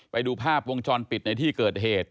ไปดูภาพวงจรปิดในที่เกิดเหตุ